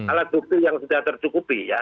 alat bukti yang sudah tercukupi ya